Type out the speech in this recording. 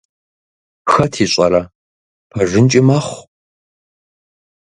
Хэт ищӀэрэ, пэжынкӀи мэхъу…